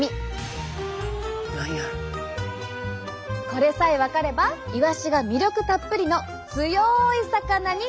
これさえ分かればイワシが魅力たっぷりの強い魚に。